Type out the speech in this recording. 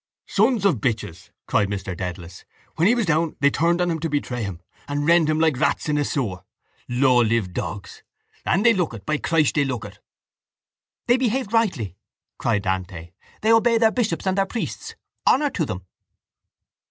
—Sons of bitches! cried Mr Dedalus. When he was down they turned on him to betray him and rend him like rats in a sewer. Lowlived dogs! And they look it! By Christ, they look it! —They behaved rightly, cried Dante. They obeyed their bishops and their priests. Honour to them!